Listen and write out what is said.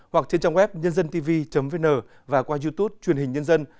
hoặc trên trang web nhândântv vn và qua youtube truyền hình nhân dân